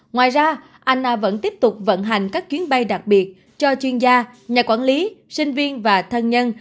ngoài ra anha vẫn tiếp tục vận hành các chuyến bay đặc biệt cho chuyên gia nhà quản lý sinh viên và thân nhân